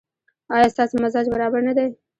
ایا ستاسو مزاج برابر نه دی؟